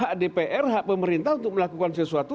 hak dpr hak pemerintah untuk melakukan sesuatu